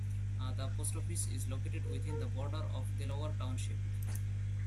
The post office is located within the borders of Delaware Township.